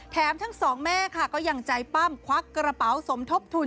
ทั้งสองแม่ค่ะก็ยังใจปั้มควักกระเป๋าสมทบทุน